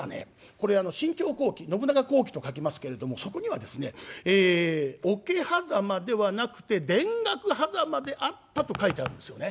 これあの「信長公記」「信長公記」と書きますけれどもそこにはですねえ「桶狭間ではなくて田楽狭間であった」と書いてあるんですよね。